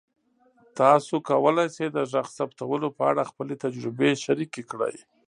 تاسو کولی شئ د غږ ثبتولو په اړه خپلې تجربې شریکې کړئ.